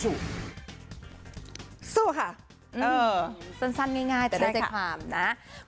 สู้ค่ะสั้นง่ายแต่ได้ใจความนะ